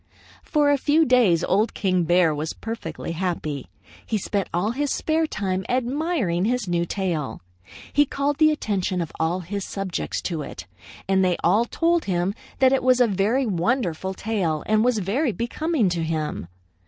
"For a few days Old King Bear was perfectly happy. He spent all his spare time admiring his new tail. He called the attention of all his subjects to it, and they all told him that it was a very wonderful tail and was very becoming to him.